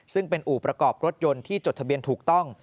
ซึ่งเป็นอู่ประกอบรถยนต์ที่จดทะเบียนถูกต้อง